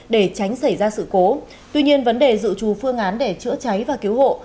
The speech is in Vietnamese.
để tránh xảy ra sự cố tuy nhiên vấn đề dự trù phương án để chữa cháy và cứu hộ